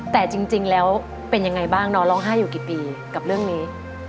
แต่จริงแล้วเป็นยังไงบ้างน้องร้องไห้อยู่กี่ปีกับเรื่องนี้